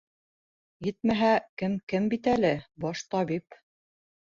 — Етмәһә, кем-кем бит әле — баш табип.